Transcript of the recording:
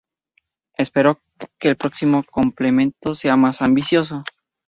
Espero que el próximo complemento sea más ambicioso".